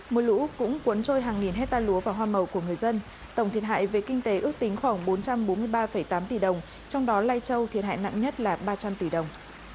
mưa lũ cũng cuốn trôi hàng nghìn hecta lúa và hoa màu của người dân tổng thiệt hại về kinh tế ước tính khoảng bốn trăm bốn mươi ba tám tỷ đồng trong đó lai châu thiệt hại nặng nhất là ba trăm linh tỷ đồng